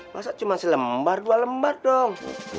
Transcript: masa cuma selembar dua lembar dong